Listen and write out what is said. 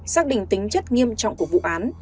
xác định tính chất nghiêm trọng của vụ án